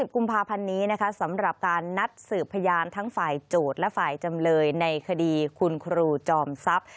กุมภาพันธ์นี้นะคะสำหรับการนัดสืบพยานทั้งฝ่ายโจทย์และฝ่ายจำเลยในคดีคุณครูจอมทรัพย์